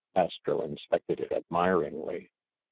Astro inspected it admiringly.